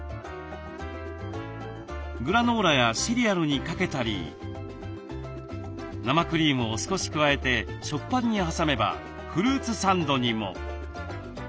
グラノーラやシリアルにかけたり生クリームを少し加えて食パンに挟めばフルーツサンドにも。